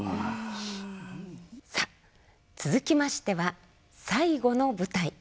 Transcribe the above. さあ続きましては最後の舞台